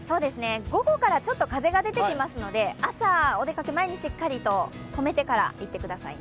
午後からちょっと風が出てきますので、朝、お出かけ前にしっかりととめてから行ってくださいね。